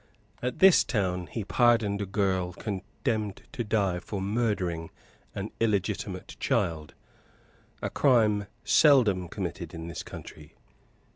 At this town he pardoned a girl condemned to die for murdering an illegitimate child, a crime seldom committed in this country.